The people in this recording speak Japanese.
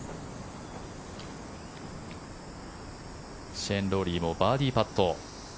シェーン・ロウリーもバーディーパット。